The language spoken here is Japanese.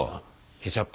ケチャップ。